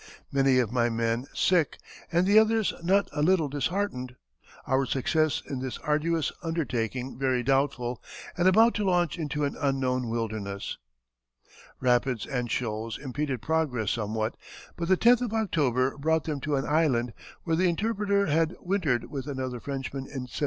Many of my men sick, and the others not a little disheartened; our success in this arduous undertaking very doubtful, and about to launch into an unknown wilderness." Rapids and shoals impeded progress somewhat, but the 10th of October brought them to an island where the interpreter had wintered with another Frenchman in 1797.